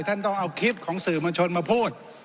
ท่านต้องเอาคลิปของสื่อมวลชนมาพูด